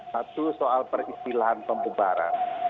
satu soal peristilahan pembubaran